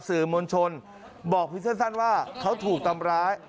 ได้เลยใครผิดใครถูกกับพี่